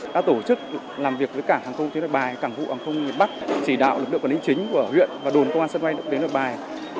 các tổ chức làm việc với cảng hàng không trên đoạn bài cảng hụt hàng không bắc chỉ đạo lực lượng quản lý chính của huyện và đồn công an sân bay đến đoạn bài